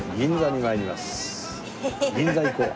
銀座行こう。